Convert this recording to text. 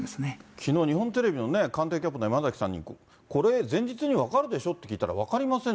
きのう、日本テレビの官邸キャップの山崎さんに、これ、前日に分かるでしょ？って聞いたら、分かりません。